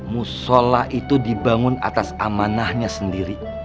musola itu dibangun atas amanahnya sendiri